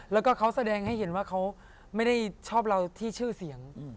แล้วก็เขาแสดงให้เห็นว่าเขาไม่ได้ชอบเราที่ชื่อเสียง